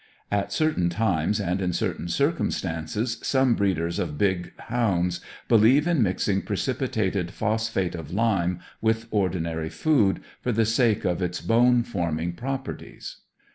(At certain times and in certain circumstances, some breeders of big hounds believe in mixing precipitated phosphate of lime with ordinary food, for the sake of its bone forming properties.)